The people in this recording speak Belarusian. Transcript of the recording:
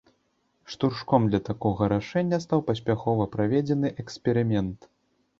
Штуршком для такога рашэння стаў паспяхова праведзены эксперымент.